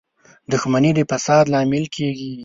• دښمني د فساد لامل کېږي.